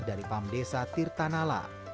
dari pam desa tirta nala